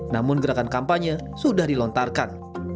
namun gerakan kampanye sudah dilontarkan